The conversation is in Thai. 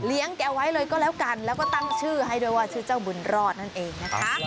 แกไว้เลยก็แล้วกันแล้วก็ตั้งชื่อให้ด้วยว่าชื่อเจ้าบุญรอดนั่นเองนะคะ